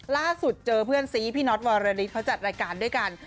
ล่าสุดเจอเพื่อนซีพี่น็อตวรรณิตเขาจัดรายการด้วยกัน